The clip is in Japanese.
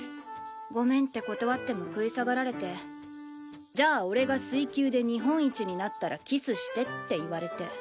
「ごめん」って断っても食い下がられて「じゃあ俺が水球で日本一になったらキスして」って言われて。